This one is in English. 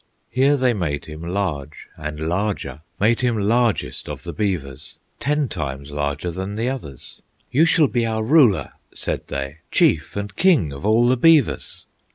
Here they made him large and larger, Made him largest of the beavers, Ten times larger than the others. "You shall be our ruler," said they; "Chief and King of all the beavers."